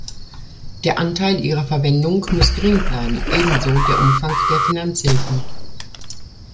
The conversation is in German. Der Anteil ihrer Verwendung muss gering bleiben, ebenso der Umfang der Finanzhilfen.